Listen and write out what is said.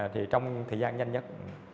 thì trong thời gian nhanh nhất